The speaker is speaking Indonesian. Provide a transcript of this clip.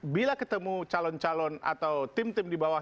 bila ketemu calon calon atau tim tim di bawah